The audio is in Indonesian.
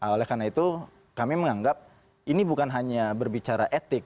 oleh karena itu kami menganggap ini bukan hanya berbicara etik